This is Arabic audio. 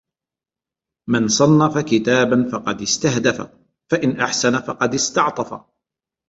مَنْ صَنَّفَ كِتَابًا فَقَدْ اسْتَهْدَفَ فَإِنْ أَحْسَنَ فَقَدْ اسْتَعْطَفَ